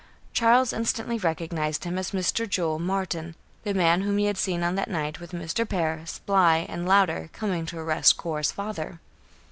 Charles instantly recognized him as Mr. Joel Martin, the man whom he had seen on that night with Mr. Parris, Bly and Louder, coming to arrest Cora's father.